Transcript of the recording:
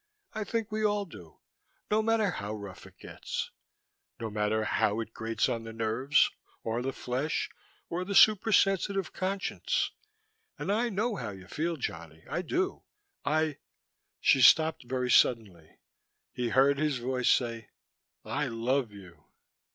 "I think we all do, no matter how rough it gets. No matter how it grates on the nerves, or the flesh, of the supersensitive conscience. And I know how you feel, Johnny, I do I " She stopped very suddenly. He heard his voice say: "I love you."